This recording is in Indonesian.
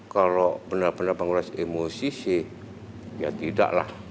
kalau benar benar menguras emosi sih ya tidaklah